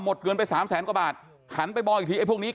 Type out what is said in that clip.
เงินไปสามแสนกว่าบาทหันไปมองอีกทีไอ้พวกนี้